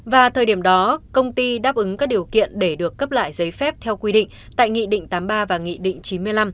và thời điểm đó công ty đáp ứng các điều kiện để được cấp lại giấy phép theo quy định tại nghị định tám mươi ba và nghị định chín mươi năm